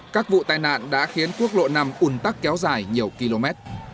các vụ tai nạn đã khiến quốc lộ năm ủn tắc kéo dài nhiều km